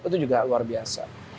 itu juga luar biasa